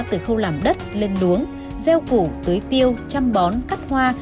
từ khâu làm đất lên luống gieo củ tưới tiêu chăm bón cắt hoa